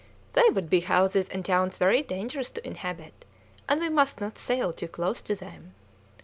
"They would be houses and towns very dangerous to inhabit, and we must not sail too close to them.